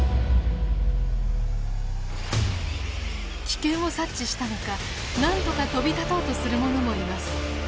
危険を察知したのかなんとか飛び立とうとするものもいます。